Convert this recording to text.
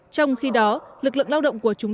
trong khi đó lực lượng lao động